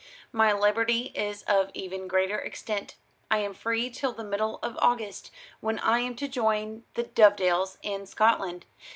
"My liberty is of even greater extent. I am free till the middle of August, when I am to join the Dovedales in Scotland.